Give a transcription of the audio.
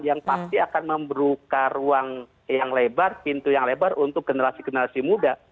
yang pasti akan membuka ruang yang lebar pintu yang lebar untuk generasi generasi muda